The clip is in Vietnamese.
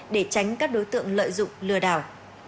để tránh các đối tượng lợi dụng lừa đảo